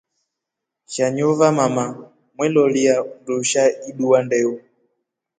Shanyo vamama mwelolia ndusha idua ndeu.